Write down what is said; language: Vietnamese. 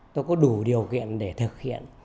tôi có đủ điều kiện để thực hiện